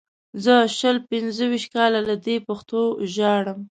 زه شل پنځه ویشت کاله له دې پښتو ژاړم.